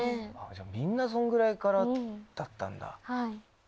みんなそんぐらいからだったんだ。